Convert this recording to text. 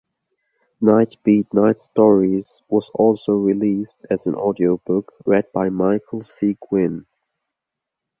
"Nightbeat: Night Stories" was also released as an audiobook, read by Michael C. Gwynne.